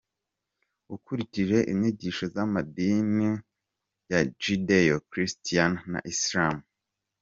Ukurikije inyigisho z’amadini ya Judeo-Christian na Islam.